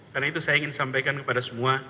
karena itu saya ingin sampaikan kepada semua